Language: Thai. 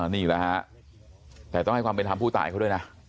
นี่แหละฮะแต่ต้องให้ความเป็นธรรมผู้ตายเขาด้วยนะ